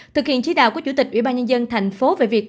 thực hiện chí đạo của chủ tịch ủy ban nhân dân thành phố về việc